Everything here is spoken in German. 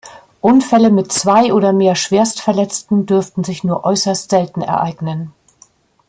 Unfälle, mit zwei oder mehr Schwerstverletzten dürften sich nur äußerst selten ereignen.